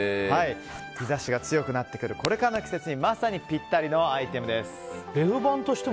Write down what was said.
日差しが強くなってくるこれからの季節にまさにぴったりのアイテムです。